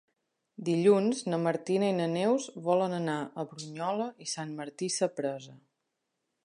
Dilluns na Martina i na Neus volen anar a Brunyola i Sant Martí Sapresa.